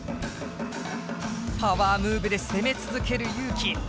パワームーブで攻め続けるＹＵ−ＫＩ。